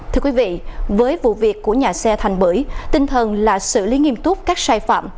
thưa quý vị với vụ việc của nhà xe thành bưởi tinh thần là xử lý nghiêm túc các sai phạm